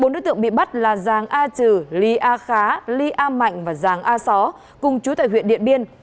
bốn đối tượng bị bắt là giàng a trừ ly a khá ly a mạnh và giàng a só cùng chú tại huyện điện biên